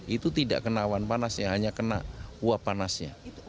itu tidak kena awan panasnya hanya kena uap panasnya